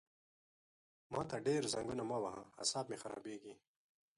ما ته ډېر زنګونه مه وهه عصاب مې خرابېږي!